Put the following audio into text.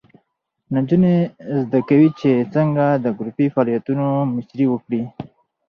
نجونې زده کوي چې څنګه د ګروپي فعالیتونو مشري وکړي.